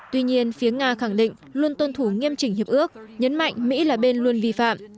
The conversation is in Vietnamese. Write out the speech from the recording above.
tuy nhiên phía nga khẳng định luôn tuân thủ nghiêm chỉnh hiệp ước nhấn mạnh mỹ là bên luôn vi phạm